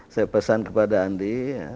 saya pesan kepada andi